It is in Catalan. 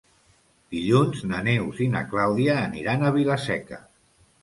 Dilluns na Neus i na Clàudia aniran a Vila-seca.